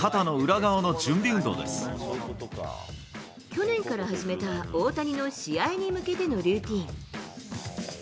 去年から始めた大谷の試合に向けてのルーティン。